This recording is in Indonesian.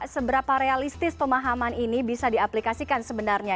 seberapa realistis pemahaman ini bisa diaplikasikan sebenarnya